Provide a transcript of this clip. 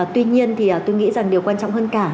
tuy nhiên thì tôi nghĩ rằng điều quan trọng hơn cả